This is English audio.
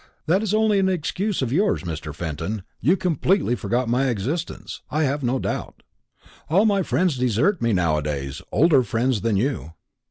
"That is only an excuse of yours, Mr. Fenton; you completely forgot my existence, I have no doubt. All my friends desert me now a days older friends than you.